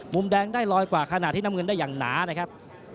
มุมแดงได้ลอยกว่าขณะที่น้ำเงินได้อย่างหนานะครับ